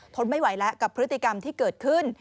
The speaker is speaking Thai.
ทนไม่ไหวแล้วกับพฤติกรรมที่เกิดขึ้น